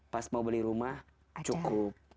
pas mau beli rumah cukup